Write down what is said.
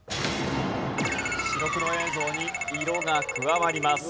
白黒映像に色が加わります。